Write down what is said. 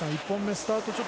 １本目スタート